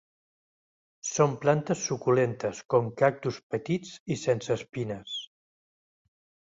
Són plantes suculentes com cactus petits i sense espines.